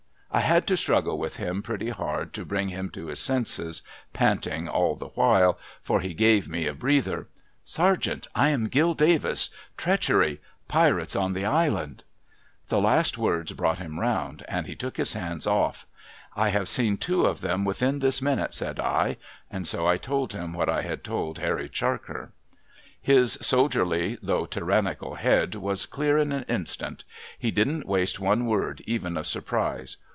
I had to struggle with him pretty hard to bring him to his senses, panting all the while (for he gave me a breather), ' Sergeant, I am Gill Davis ! Treachery ! Pirates on the Island !' The last words brought him round, and he took his hands off. * I have seen two of them within this minute,' said I. And so I told him what I had told Harry Charker. His soldierly, though tyrannical, head was clear in an instant. He didn't waste one word, even of surprise.